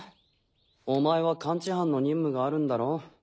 お前は感知班の任務があるんだろ。